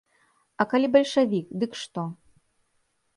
А калі бальшавік, дык што?